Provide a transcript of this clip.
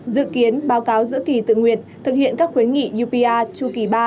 dự kiến báo cáo giữa kỳ tự nguyện thực hiện các khuyến nghị upr chu kỳ ba